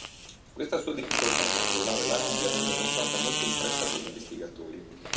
Questa sua difficoltà a controllare la rabbia venne notata molto in fretta dagli investigatori.